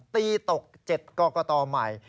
ตีตก๗กรกตใหม่